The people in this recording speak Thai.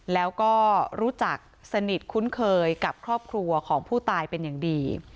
แล้วก็รู้จักสนิทคุ้นเคยกับครอบครัวของผู้ตายเป็นอย่างดี